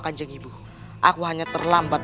dia menemu ke dalam kamar kamar